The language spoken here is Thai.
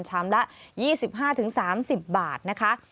ชามละ๒๕๓๐บาทนะคะ